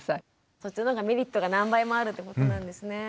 そっちのほうがメリットが何倍もあるってことなんですね。